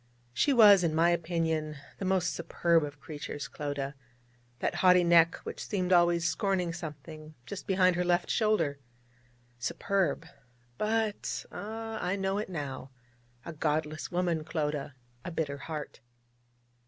She was, in my opinion, the most superb of creatures, Clodagh that haughty neck which seemed always scorning something just behind her left shoulder. Superb! but ah I know it now a godless woman, Clodagh, a bitter heart.